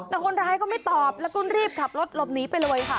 แต่คนร้ายก็ไม่ตอบแล้วก็รีบขับรถหลบหนีไปเลยค่ะ